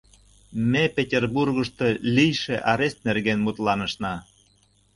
— Ме Петербургышто лийше арест нерген мутланышна.